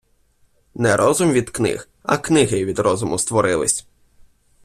Не розум від книг, а книги від розуму створились.